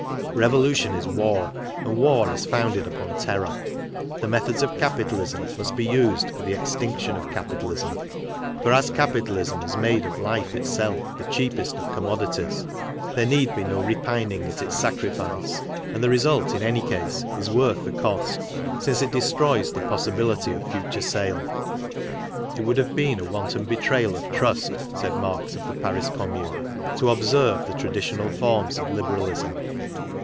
Revolution is war, and war is founded (upon terror. The methods of capitalism must be used ;for the extinction of capitalism. For as capitalism has KARL MARX 37 made of life itself the cheapest of commodities, there need be no repining at its sacrifice, and the result, in any case, is worth the cost, since it destroys the possi bility of future sale. It would have been a wanton be trayal of trust, said Marx of the Paris Commune, to observe the traditional forms of liberalism.